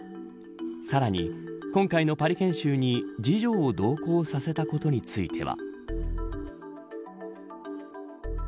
さらに今回のパリ研修に次女を同行させたことについては。